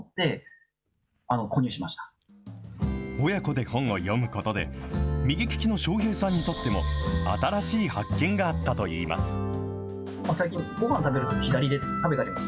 親子で本を読むことで、右利きの昌平さんにとっても、新しい発見があったといいます。